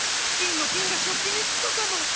フキンの菌が食器につくかも⁉